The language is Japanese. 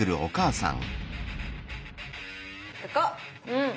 うん。